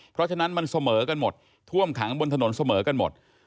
เพราะฉะนั้นมันเสมอกันหมดท่วมขังบนถนนเสมอกันหมด